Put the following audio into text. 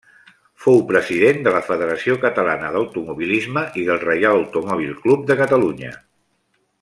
Fou president de la Federació Catalana d'Automobilisme i del Reial Automòbil Club de Catalunya.